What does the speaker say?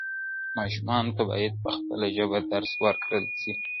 ماشومانو ته باید په خپله ژبه درس ورکړل سي.